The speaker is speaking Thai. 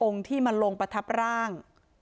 ที่มาลงประทับร่าง